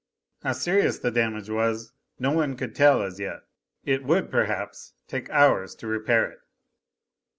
How serious the damage was, no one could tell as yet. It would perhaps take hours to repair it.